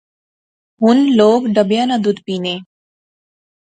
ہُن لوک ڈبیاں نا دُد پینے